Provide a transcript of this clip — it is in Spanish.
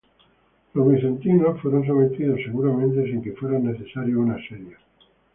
Los bizantinos fueron sometidos seguramente sin que fuera necesario un asedio.